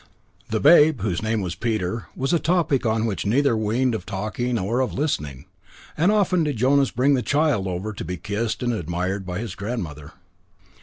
The babe, whose name was Peter, was a topic on which neither wearied of talking or of listening; and often did Jonas bring the child over to be kissed and admired by his grandmother.